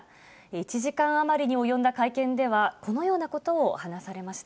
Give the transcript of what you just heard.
１時間余りに及んだ会見では、このようなことを話されました。